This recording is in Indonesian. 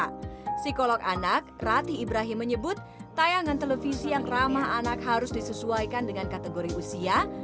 psikolog anak rati ibrahim menyebut tayangan televisi yang ramah anak harus disesuaikan dengan kategori usia